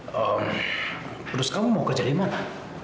terus kamu mau kerja di mana